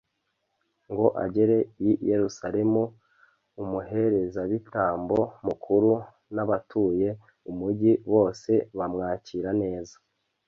ngo agere i yeruzalemu, umuherezabitambo mukuru n'abatuye umugi bose bamwakira neza